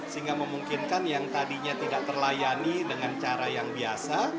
sehingga memungkinkan yang tadinya tidak terlayani dengan cara yang biasa